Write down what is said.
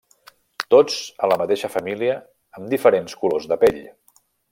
Tots a la mateixa família, amb diferents colors de pell.